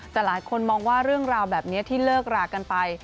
แต่หลายคนมองว่าเรื่องราวแบบนี้ที่เลิกรากันไป